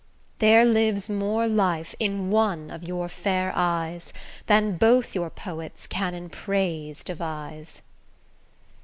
There lives more life in one of your fair eyes Than both your poets can in praise devise.